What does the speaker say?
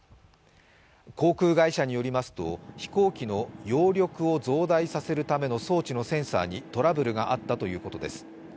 航空会社によりますと飛行機の揚力を増大させるための装置のセンサーにトラブルがあったということです。